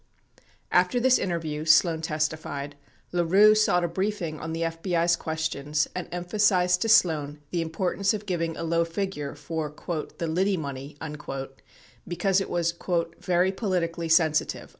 After this interview, Sloan testified, LaRue sought a briefing on the FBI's questions and emphasized to Sloan the importance of giving a low figure for "the Liddy money" because it was "very political [ly] sensitive."